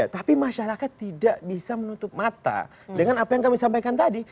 tapi masyarakat tidak bisa menutup mata dengan apa yang kami sampaikan tadi